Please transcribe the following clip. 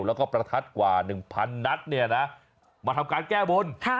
แล้วก็ประทัดกว่า๑๐๐นัดเนี่ยนะมาทำการแก้บน